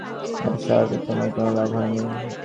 মোহনগঞ্জে আসায় নিসার আলি সাহেবের তেমন কোনো লাভ হয় নি।